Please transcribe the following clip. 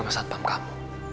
masat pam kamu